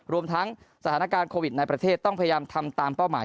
รวมทั้งสถานการณ์โควิดในประเทศต้องพยายามทำตามเป้าหมาย